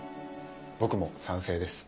僕も賛成です。